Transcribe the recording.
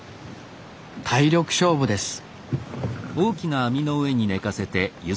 体力勝負です